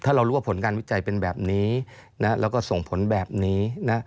ถ้าเรารู้ว่าผลการวิจัยเป็นแบบนี้แล้วก็ส่งผลแบบนี้นะ